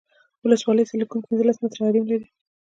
ولسوالي سرکونه پنځلس متره حریم لري